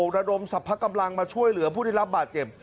ระดมสรรพกำลังมาช่วยเหลือผู้ได้รับบาดเจ็บ